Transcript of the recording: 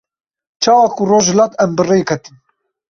Çawa ku roj hilat em bi rê ketin.